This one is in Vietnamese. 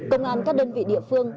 công an các đơn vị địa phương